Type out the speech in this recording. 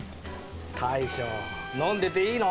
大将飲んでていいの？